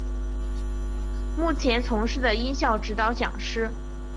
目前从事的音效指导讲师。